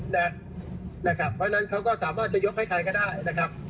เพราะฉะนั้นเขาก็สามารถจะยกให้ใครก็ได้นะครับ